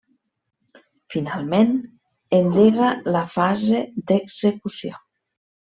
Finalment, endega la fase d’execució.